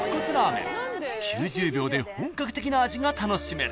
［９０秒で本格的な味が楽しめる］